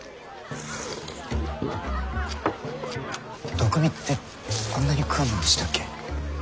毒味ってこんなに食うもんでしたっけ？